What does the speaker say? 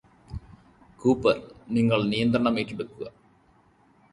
Cooper നിങ്ങള് നിയന്ത്രണം ഏറ്റെടുക്കുക